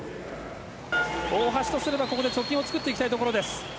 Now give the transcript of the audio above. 大橋とすればここで貯金を作っていきたいところです。